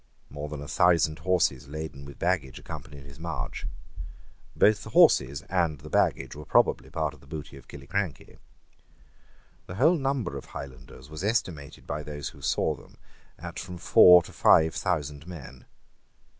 More than a thousand horses laden with baggage accompanied his march. Both the horses and baggage were probably part of the booty of Killiecrankie. The whole number of Highlanders was estimated by those who saw them at from four to five thousand men.